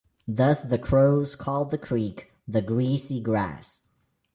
Thus the Crows called the creek "the Greasy Grass".